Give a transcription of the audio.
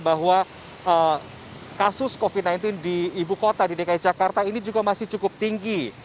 bahwa kasus covid sembilan belas di ibu kota di dki jakarta ini juga masih cukup tinggi